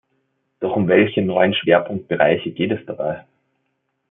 Doch um welche neuen Schwerpunktbereiche geht es dabei?